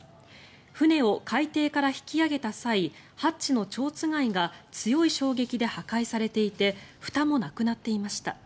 船を海底から引き揚げた際ハッチのちょうつがいが強い衝撃で破壊されていてふたもなくなっていました。